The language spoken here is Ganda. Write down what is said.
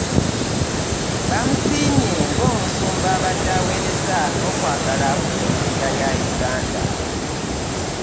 Bamusiimye ng'omusumba abadde aweereza n'okwagala mu keleziya ya Uganda